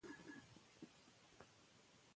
زموږ برخلیک یو دی.